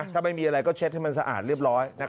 ถ้าไม่มีอะไรก็เช็ดให้มันสะอาดเรียบร้อย